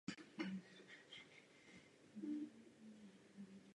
Byly ochotny si pohovořit.